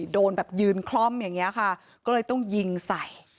โดนแบบยืนคล่อมอย่างนี้ค่ะก็เลยต้องยิงใส่